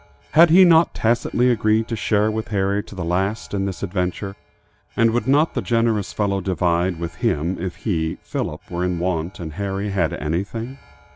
Had he not tacitly agreed to share with Harry to the last in this adventure, and would not the generous fellow divide with him if he, Philip, were in want and Harry had anything?